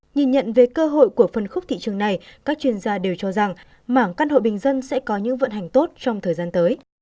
nhìn nhận về cơ hội của phân khúc thị trường này các chuyên gia đều cho rằng mảng căn hộ bình dân sẽ có những vận hành tốt trong thời gian tới